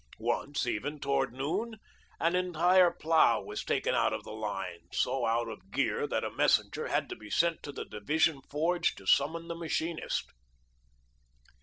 Once, even, toward noon, an entire plough was taken out of the line, so out of gear that a messenger had to be sent to the division forge to summon the machinist.